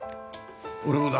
俺もだ。